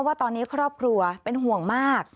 ว่าตอนนี้ครอบครัวเป็นห่วงมาก